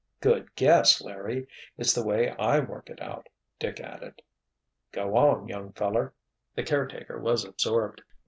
"Good guess, Larry! It's the way I work it out," Dick added. "Go on, young feller." The caretaker was absorbed.